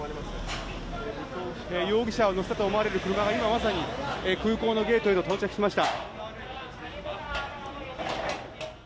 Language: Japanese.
容疑者を乗せたと思われる車が空港のゲートへと到着しました。